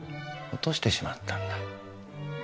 落としてしまったんだ。